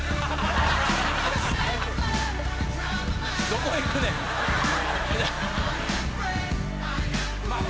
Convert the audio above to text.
「どこへ行くねん？」